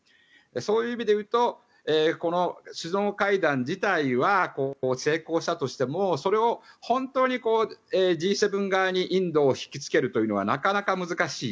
そういう意味でいうと首脳会談自体は成功したとしてもそれを本当にＧ７側にインドを引きつけるというのはなかなか難しい。